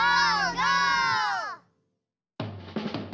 ゴー！